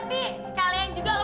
sekalian juga lo